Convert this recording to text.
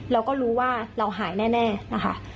เราก็รู้ว่าเราหายแน่นะคะ